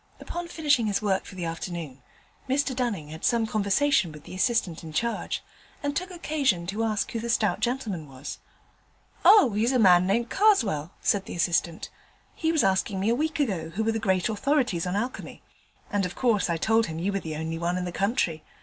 Upon finishing his work for the afternoon, Mr Dunning had some conversation with the assistant in charge, and took occasion to ask who the stout gentleman was. 'Oh, he's a man named Karswell,' said the assistant; 'he was asking me a week ago who were the great authorities on alchemy, and of course I told him you were the only one in the country.